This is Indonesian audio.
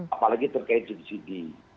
apalagi terkait subsidi